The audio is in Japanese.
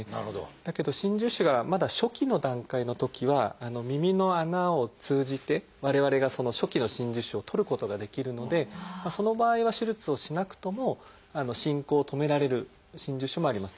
だけど真珠腫がまだ初期の段階のときは耳の穴を通じて我々がその初期の真珠腫を取ることができるのでその場合は手術をしなくとも進行を止められる真珠腫もあります。